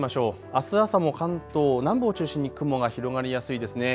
あす朝も関東南部を中心に雲が広がりやすいですね。